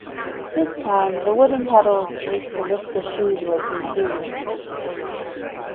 This time the wooden paddles used to lift the shoes were consumed.